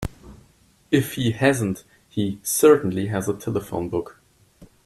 If he hasn't he certainly has a telephone book.